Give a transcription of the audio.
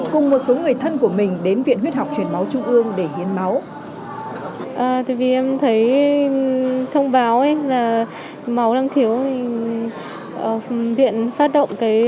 cùng một số người thân của mình đến viện huyết học truyền máu trung ương để hiến máu